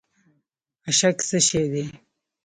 اشک څه شی دی؟